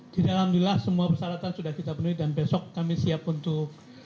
di dalamnya semua persyaratan sudah kita penuhi dan besok kami siap untuk